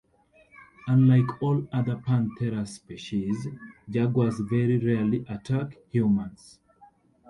Unlike all other "Panthera" species, jaguars very rarely attack humans.